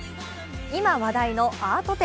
今、話題のアート展。